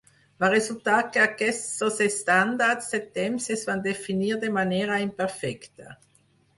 Va resultar que aquests dos estàndards de temps es van definir de manera imperfecta.